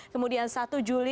kemudian satu juli